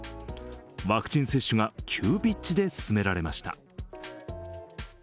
ワクチン接種が急ピッチで進められました。